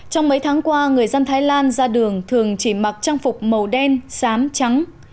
trong mấy tháng qua người dân thái lan ra đường thường chỉ mặc trang phục màu đen sám trắng